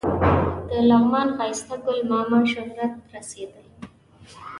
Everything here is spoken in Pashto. د لغمان ښایسته ګل ماما شهرت ته رسېدلی دی.